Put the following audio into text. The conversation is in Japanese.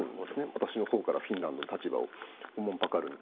私のほうからフィンランドの立場をおもんばかると。